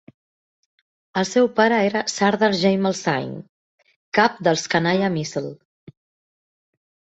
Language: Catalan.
El seu pare era Sardar Jaimal Singh, cap dels Kanhaiya Misl.